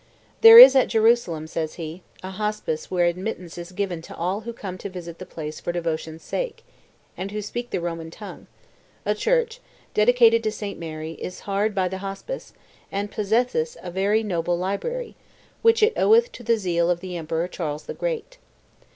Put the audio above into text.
"There is at Jerusalem," says he, "a hospice where admittance is given to all who come to visit the place for devotion's sake, and who speak the Roman tongue; a church, dedicated to St. Mary, is hard by the hospice, and possesseth a very noble library, which it oweth to the zeal of the Emperor Charles the Great."